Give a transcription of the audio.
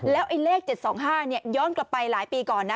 แล้วไอ้เลข๗๒๕ย้อนกลับไปหลายปีก่อนนะ